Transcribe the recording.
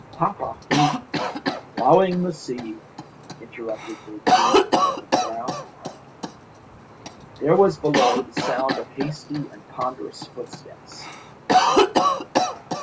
Papa, who " "Ploughing the sea," interrupted Decoud, looking down. There was below the sound of hasty and ponderous footsteps.